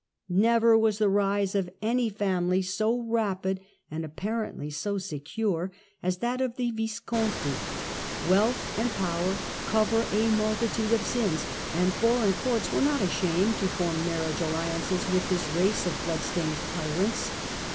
Never was the rise of any family ^^^i^y*^ so rapid and apparently so secure as that of the Vis ^^^^ conti : wealth and power cover a multitude of sins, and foreign Courts were not ashamed to form marriage visconti aUiances with this race of blood stained tyrants.